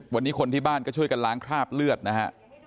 วันนี้คนที่บ้านก็ช่วยกันล้างคราบเลือดนะฮะ